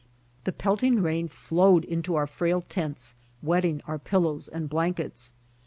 The pelting rain flowed into our frail tents, wetting our pillows and blankets.